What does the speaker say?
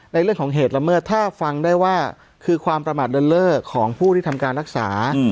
ในเรื่องของเหตุละเมิดถ้าฟังได้ว่าคือความประมาทเดินเล่อของผู้ที่ทำการรักษา